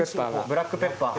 ブラックペッパー。